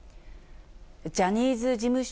ジャニーズ事務所